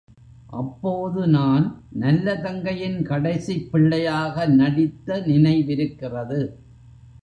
அப்போது நான் நல்லதங்கையின் கடைசிப் பிள்ளையாக நடித்த நினைவிருக்கிறது.